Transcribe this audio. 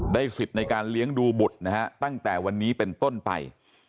สิทธิ์ในการเลี้ยงดูบุตรนะฮะตั้งแต่วันนี้เป็นต้นไป